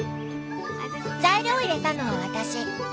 材料を入れたのは私。